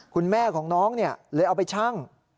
คุณแม่ของน้องเลยเอาไปชั่ง